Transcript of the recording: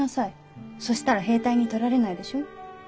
そしたら兵隊にとられないでしょ。